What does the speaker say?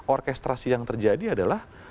orkestrasi yang terjadi adalah